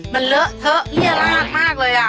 มันเลอะเถอะเหี้ยระมากเลย